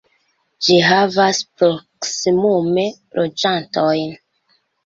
Ĝi havas proksimume loĝantojn.